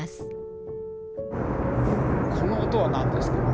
この音は何ですか？